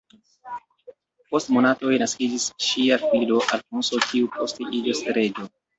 Post monatoj naskiĝis ŝia filo Alfonso, kiu poste iĝos reĝo.